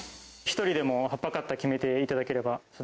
一人でもはっぱカッター決めていただければ。